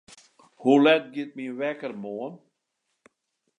Hoe let giet myn wekker moarn?